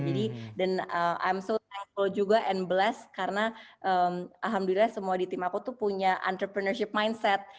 jadi dan i'm so thankful juga and blessed karena alhamdulillah semua di tim aku tuh punya entrepreneurship mindset